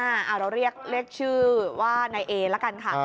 เอาเราเรียกชื่อว่านายเอละกันค่ะ